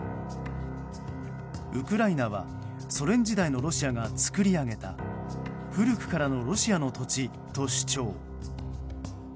ウクライナはソ連時代のロシアが作り上げた古くからのロシアの土地と主張。